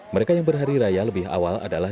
mereka yang berhari raya lebih awal adalah